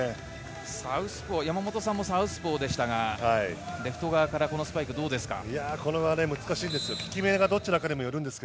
サウスポー山本さんもサウスポーでしたが、レフト側からこのスパイクどうですか？